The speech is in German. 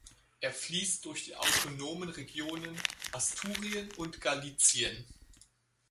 Er fließt durch die autonomen Regionen Asturien und Galicien.